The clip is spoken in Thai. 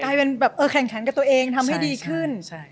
กลายเป็นแบบแข่งขันกับตัวเองทำให้ดีขึ้น